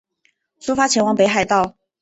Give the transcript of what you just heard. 出发前往北海道